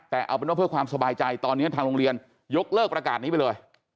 แต่เอาเป็นว่าเพื่อความสบายใจตอนนี้ทางโรงเรียนยกเลิกประกาศนี้ไปเลย